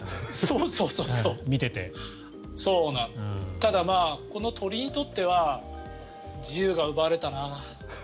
ただ、この鳥にとっては自由が奪われたな。